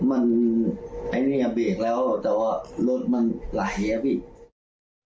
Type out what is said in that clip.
มันไอ้เนี่ยเบรกแล้วแต่ว่ารถมันไหลอ่ะพี่